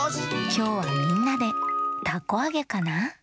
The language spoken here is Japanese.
きょうはみんなでたこあげかな？